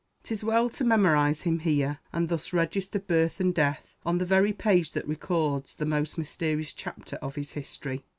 'Tis well to memorize him here, and thus register birth and death on the very page that records the most mysterious chapter of his history.